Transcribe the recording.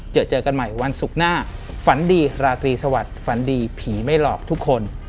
เจอเจอกันใหม่วันศุกร์หน้าฝันดีราตรีสวัสดิ์ฝันดีผีไม่หลอกทุกคน